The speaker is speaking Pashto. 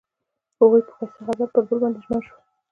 هغوی په ښایسته غزل کې پر بل باندې ژمن شول.